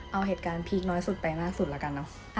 เอาเหตุการณ์พีคน้อยสุดไปล่าสุดแล้วกันเนอะ